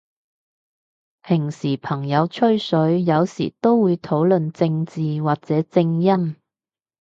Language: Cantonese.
平時朋友吹水，有時都會討論正字或者正音？